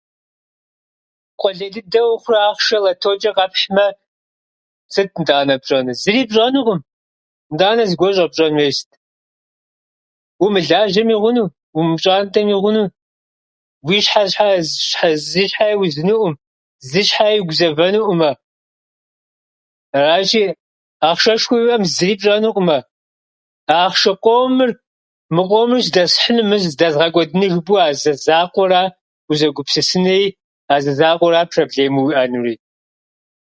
Къулей дыдэ ухъурэ ахъшэ лоточӏэ къэпхьмэ, сыт нтӏанэ пщӏэныр? Зыри пщӏэнукъым. Нтӏанэ зыгуэр щӏэпщӏэн хуейр сыт? Умылажьэми хъуну, умыпщӏантӏэми хъуну. Уи щхьэ щхьэи з-зы щхьэи узынукъым, зы щхьэи угузэвэнукъымэ. Аращи, ахъшэшхуэ уиӏэмэ, зыри пщӏэнукъымэ. А ахъшэ къомыр, мы къомыр здэсхьынур дэнэ, здэзгъэкӏуэдынур дэнэ жыпӏэу, а зызакъуэра узэгупсысынри, а зызакъуэра проблему уиӏэнури.